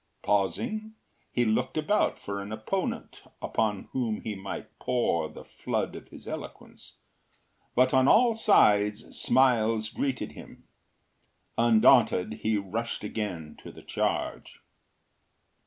” Pausing, he looked about for an opponent upon whom he might pour the flood of his eloquence, but on all sides smiles greeted him. Undaunted, he rushed again to the charge.